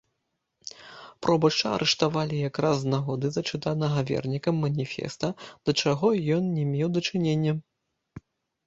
Пробашча арыштавалі якраз з нагоды зачытанага вернікам маніфеста, да чаго ён не меў дачынення.